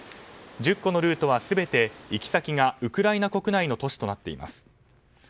１０個のルートは全て行き先がウクライナ国内の都市となっています。